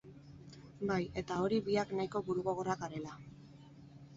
Bai, eta hori biak nahiko burugogorrak garela!